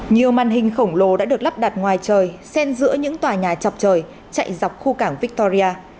nhiều màn hình khổng lồ đã được lắp đặt ngoài trời xen giữa những tòa nhà chọc trời chạy dọc khu cảng victoria